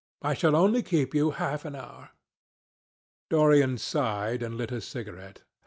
I shall only keep you half an hour." Dorian sighed and lit a cigarette.